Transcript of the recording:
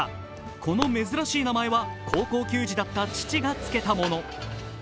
この珍しい名前は高校球児だった父がつけたもの。